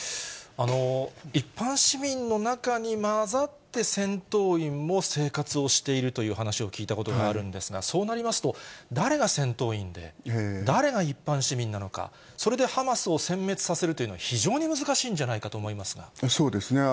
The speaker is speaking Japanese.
一般市民の中にまざって、戦闘員も生活をしているという話を聞いたことがあるんですが、そうなりますと、誰が戦闘員で、誰が一般市民なのか、それでハマスをせん滅させるというのは、非常に難しいんじゃないかと思いそうですね。